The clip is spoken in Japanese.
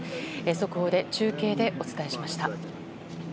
速報で中継でお伝えしました。